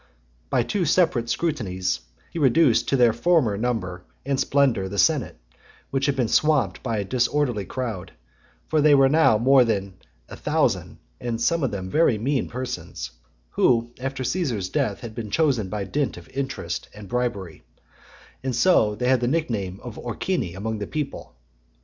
XXXV. By two separate scrutinies he reduced to their former number and splendour the senate, which had been swamped by a disorderly crowd; for they were now more than a (99) thousand, and some of them very mean persons, who, after Caesar's death, had been chosen by dint of interest and bribery, so that they had the nickname of Orcini among the people .